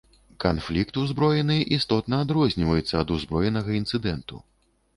Канфлікт ўзброены істотна адрозніваецца і ад узброенага інцыдэнту.